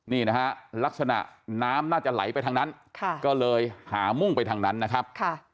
นี่นะฮะลักษณะน้ำน่าจะไหลไปทางนั้นก็เลยหามุ่งไปทางนั้นนะครับ